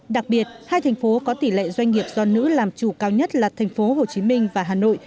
đặc biệt hai thành phố có tỷ lệ doanh nghiệp do nữ làm chủ cao nhất là thành phố hồ chí minh và hà nội